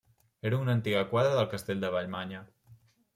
Era una antiga quadra del castell de Vallmanya.